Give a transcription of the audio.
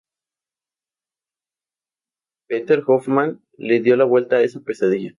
Peter Hoffmann le dio la vuelta a esa pesadilla.